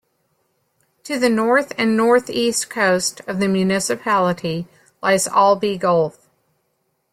To the north and north-east coast of the municipality lies Albay Gulf.